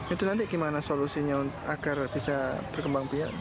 itu nanti bagaimana solusinya agar bisa berkembang biar